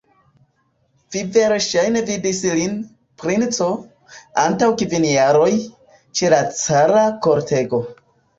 Vi verŝajne vidis lin, princo, antaŭ kvin jaroj, ĉe la cara kortego.